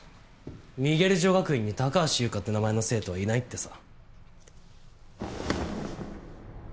ミゲル女学院に高橋優花って名前の生徒はいないってさ。